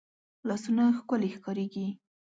لاسونه ښکلې ښکارېږي